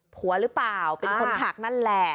ผัวหรือเปล่าเป็นคนผลักนั่นแหละ